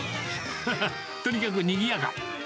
とにかくにぎやか。